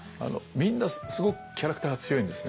みんなすごくキャラクターが強いんですね。